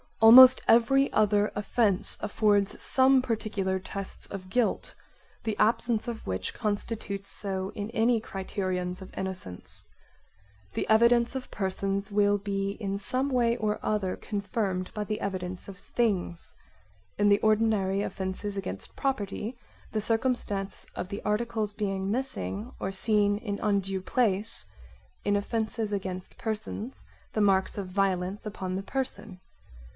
Almost every other offence affords some particular tests of guilt, the absence of' which constitutes so in any criterions of innocence. The evidence of persons will be in some way or other confirmed by the evidence of things: in the ordinary offences against property the circumstance of the articles being missing or seen in undue place, in offences against persons the marks of violence upon the person.